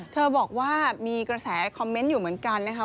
บอกว่ามีกระแสคอมเมนต์อยู่เหมือนกันนะคะ